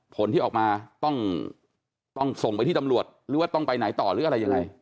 ผลที่ออกมาต้องส่งไปที่ตำรวจหรือว่าต้องไปไหนต่อหรืออะไรยังไง